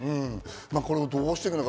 これをどうしていくのか。